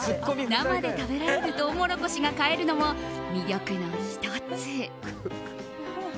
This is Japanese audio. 生で食べられるトウモロコシが買えるのも魅力の１つ。